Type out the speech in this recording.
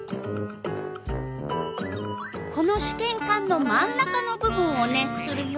このしけんかんの真ん中の部分を熱するよ。